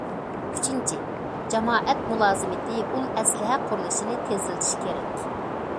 ئۈچىنچى، جامائەت مۇلازىمىتى ئۇل ئەسلىھە قۇرۇلۇشىنى تېزلىتىش كېرەك.